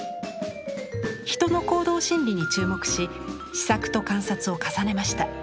人の行動心理に注目し試作と観察を重ねました。